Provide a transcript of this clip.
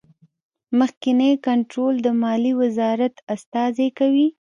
مخکینی کنټرول د مالیې وزارت استازی کوي.